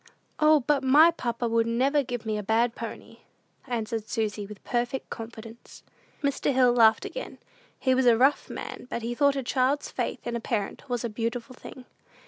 "O, but my papa would never give me a bad pony," answered Susy, with perfect confidence. Mr. Hill laughed again. He was a rough man; but he thought a child's faith in a parent was a beautiful thing.